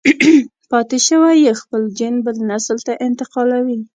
پاتې شوی يې خپل جېن بل نسل ته انتقالوي.